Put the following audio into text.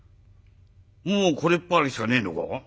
もうこれっぱかりしかねえのか？